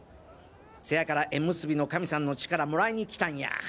せやから縁結びの神さんの力もらいに来たんや！